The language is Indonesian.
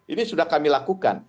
ini sudah kami lakukan